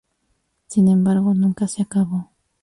Sin embargo, nunca se acabó.